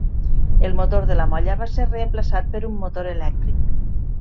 El motor de la molla va ser reemplaçat per un motor elèctric.